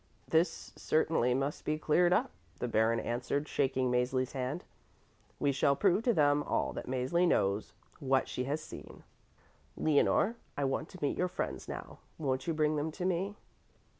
"This certainly must be cleared up," the Baron answered, shaking Mäzli's hand. "We shall prove to them all that Mäzli knows what she has seen. Leonore, I want to meet your friends now. Won't you bring them to me?"